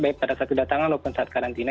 baik pada saat kedatangan maupun saat karantina